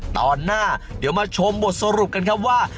ตอนหน้าเดี๋ยวมาชมบทสรุปกันครับว่า